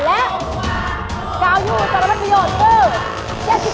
และกาวยูสารพัดประโยชน์คือ